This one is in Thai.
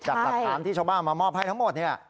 จากตัดถามที่ชาวบ้านมามอบให้ทั้งหมด